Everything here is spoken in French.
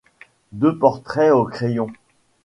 Deux portraits au crayon.